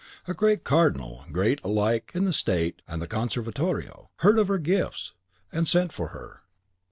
A great Cardinal great alike in the State and the Conservatorio heard of her gifts, and sent for her.